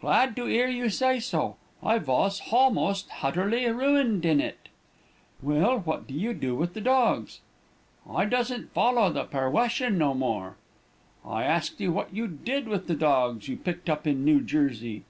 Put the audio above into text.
"'Glad to 'ear you say so. I vos halmost hutterly ruined in it.' "'Well, what do you do with the dogs?' "'I doesn't follow the perwession no more.' "'I asked you what you did with the dogs you picked up in New Jersey.'